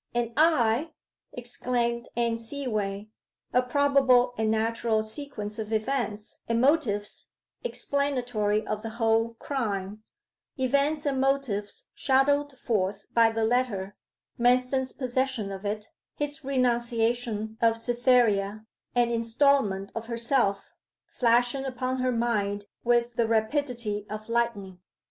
'And I!' exclaimed Anne Seaway, a probable and natural sequence of events and motives explanatory of the whole crime events and motives shadowed forth by the letter, Manston's possession of it, his renunciation of Cytherea, and instalment of herself flashing upon her mind with the rapidity of lightning.